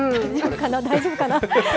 大丈夫かな。